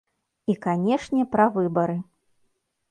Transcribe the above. І, канешне, пра выбары.